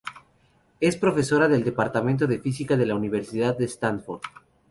Es profesora del departamento de física de la Universidad de Stanford.